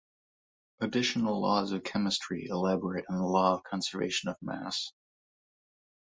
Additional laws of chemistry elaborate on the law of conservation of mass.